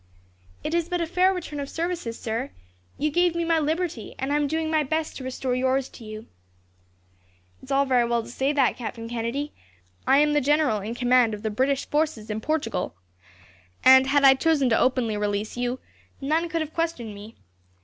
"It is but a fair return of services, sir. You gave me my liberty, and I am doing my best to restore yours to you." "It is all very well to say that, Captain Kennedy. I am the general in command of the British forces in Portugal, and had I chosen to openly release you, none could have questioned me.